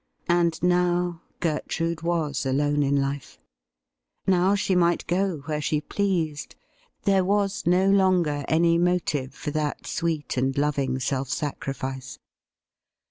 And now Gertrude was alone in life ! Now she might go where she pleased — there was no longer any motive for that sweet and loving self sacrifice